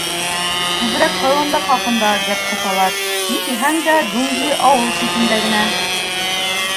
Күберәк хайуандар хаҡында гәп һаталар, ни тиһәң дә, джунгли ауыл ситендә генә.